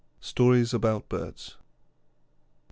STORIES ABOUT BIRDS I.